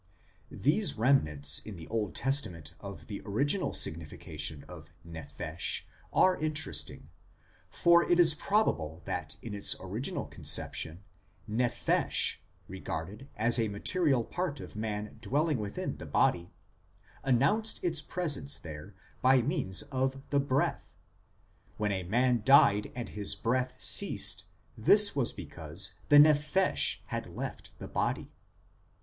These remnants in the Old Testament of the original signification of nephesh are interesting, for it is probable that in its original conception nephesh, regarded as a material part of man dwelling within the body, announced its presence there by means of the breath ; when a man died and his breath ceased, this was because the nephesh had left the body.